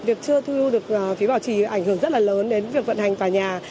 việc chưa thu được phí bảo trì ảnh hưởng rất là lớn đến việc vận hành tòa nhà